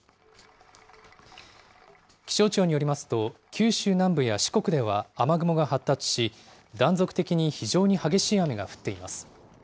気象庁によりますと、九州南部や四国では雨雲が発達し、断続的に非常に激しい雨が降っています。